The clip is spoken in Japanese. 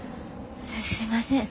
すいません